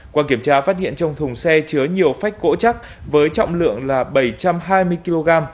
qua kiểm tra phát hiện trong thùng xe chứa nhiều phách gỗ chắc với trọng lượng là bảy trăm hai mươi kg